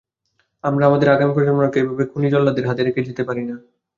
আমরা আমাদের আগামী প্রজন্মকে এভাবে খুনি-জল্লাদদের হাতে রেখে যেতে পারি না।